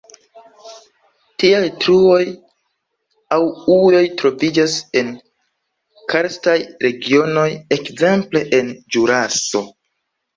Tiaj truoj aŭ ujoj troviĝas en karstaj regionoj, ekzemple en Ĵuraso.